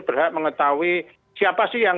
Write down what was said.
berhak mengetahui siapa sih yang